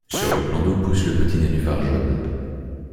Sur le plan d'eau pousse le petit nénuphar jaune.